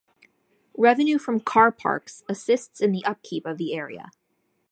Revenue from car parks assists in the upkeep of the area.